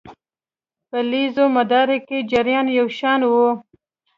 په لړیز مدار کې جریان یو شان وي.